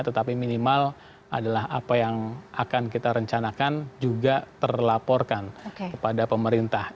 tetapi minimal adalah apa yang akan kita rencanakan juga terlaporkan kepada pemerintah